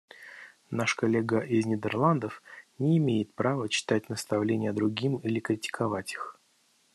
Наш коллега из Нидерландов не имеет права читать наставления другим или критиковать их.